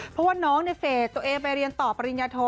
เพราะว่าน้องในเฟสตัวเองไปเรียนต่อปริญญาโท